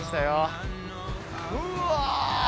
うわ！